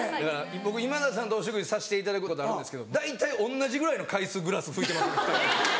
僕今田さんとお食事させていただくことあるんですけど大体同じぐらいの回数グラス拭いてます２人で。